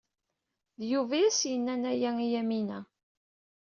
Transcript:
D Yuba ay as-yennan aya i Yamina.